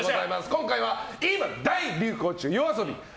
今回は今、大流行中ＹＯＡＳＯＢＩの。